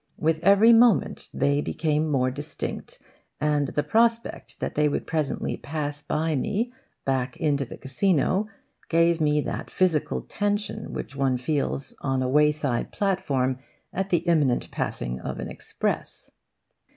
With every moment they became more distinct, and the prospect that they would presently pass by me, back into the casino, gave me that physical tension which one feels on a wayside platform at the imminent passing of an express.